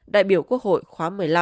đại biểu quốc hội khóa một mươi năm